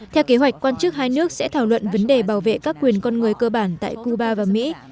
theo kế hoạch quan chức hai nước sẽ thảo luận vấn đề bảo vệ các quyền con người cơ bản tại cuba và mỹ